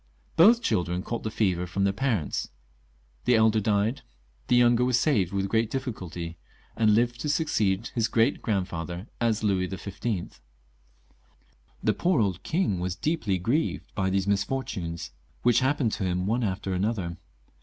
Both children caught the fever from their parents ; the elder died, the younger was saved with great difficulty, and Uved to succeed his great grandfather as Louis XV. The poor old king was deeply grieved by these misfor tunes, which happened to him one after another.